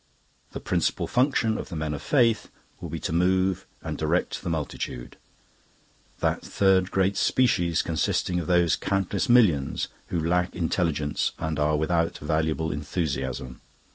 The principal function of the Men of Faith will be to move and direct the Multitude, that third great species consisting of those countless millions who lack intelligence and are without valuable enthusiasm.